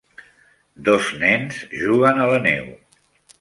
Dos nens juguen a la neu.